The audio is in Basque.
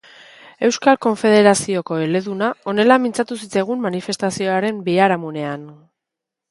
Euskal Konfederazioko eleduna honela mintzatu zitzaigun manifestazioaren biharamunean.